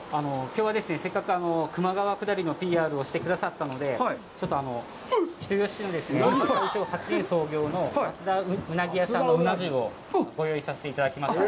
きょうはせっかく球磨川くだりのＰＲをしてくださったので、ちょっと人吉市にある大正８年創業の松田うなぎ屋さんのうな重をご用意させていただきました。